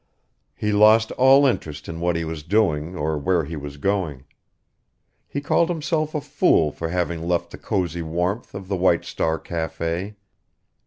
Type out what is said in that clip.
He lost all interest in what he was doing or where he was going. He called himself a fool for having left the cozy warmth of the White Star Café.